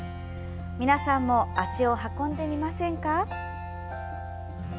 皆さんも足を運んでみませんか。